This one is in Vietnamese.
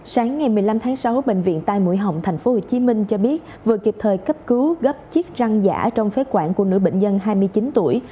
sáng ngày một mươi năm tháng sáu bệnh viện tai mũi họng tp hcm cho biết vừa kịp thời cấp cứu gấp chiếc răng giả trong phế quản của nữ bệnh nhân hai mươi chín tuổi